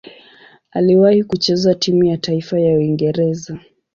Aliwahi kucheza timu ya taifa ya Uingereza.